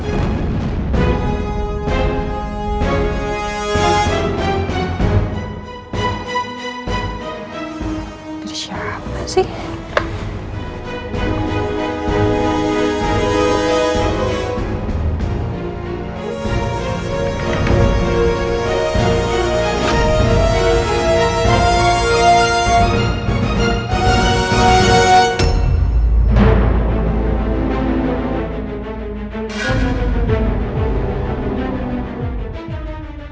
ini siapa sih